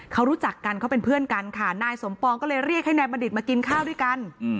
เขารู้จักกันเขาเป็นเพื่อนกันค่ะนายสมปองก็เลยเรียกให้นายบัณฑิตมากินข้าวด้วยกัน